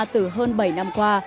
từ hơn bảy năm qua